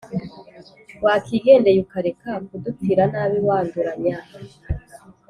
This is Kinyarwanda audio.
wakigendeye ukareka kudupfira nabi wanduranya!